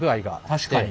確かに。